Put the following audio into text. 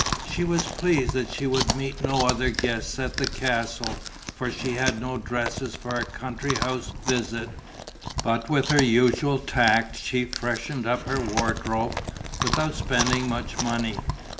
She was pleased that she would meet no other guests at the castle, for she had no dresses for a country house visit. But with her usual tact she freshened up her wardrobe, without spending much money.